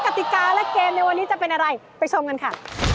กติกาและเกมในวันนี้จะเป็นอะไรไปชมกันค่ะ